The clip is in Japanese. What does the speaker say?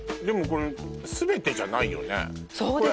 これ全てじゃないよね？